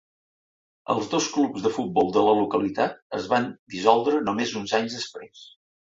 Els dos clubs de futbol de la localitat es van dissoldre només uns anys després.